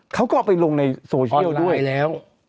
เขาก็เอาไปลงในโซเชียลด้วยแล้ว